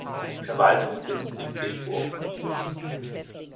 Verwaltungssitz ist Bitburg.